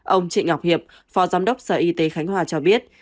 ông trịnh ngọc hiệp phó giám đốc sở y tế khánh hòa cho biết